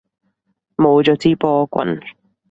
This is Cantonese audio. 冇咗支波棍